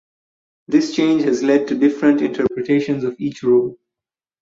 This change has led to different interpretations of each role.